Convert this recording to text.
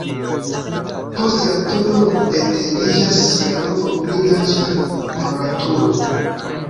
Post la turo etendiĝas la navo pli larĝa, ol la turo.